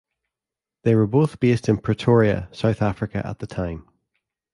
They were both based in Pretoria, South Africa at the time.